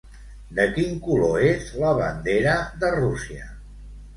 De quin color és la bandera de Rússia?